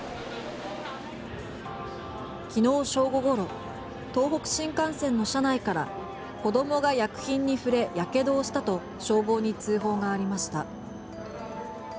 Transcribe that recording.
昨日正午ごろの東北新幹線の車内から子どもが薬品に触れやけどをしたと消防に通報がありました。